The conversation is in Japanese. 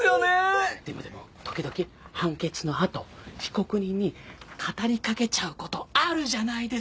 でもでも時々判決のあと被告人に語りかけちゃう事あるじゃないですか。